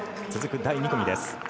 続く第２組です。